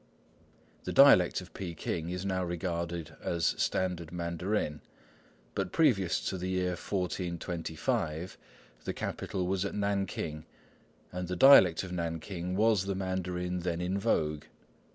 The dialect of Peking is now regarded as standard "Mandarin"; but previous to the year 1425 the capital was at Nanking, and the dialect of Nanking was the Mandarin then in vogue.